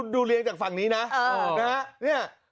ดูเรียงจากฝั่งนี้นะนะฮะนี่ฮะ